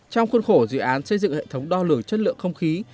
trong khuôn khổ dự án xây dựng hệ thống đo lường chất lượng không khí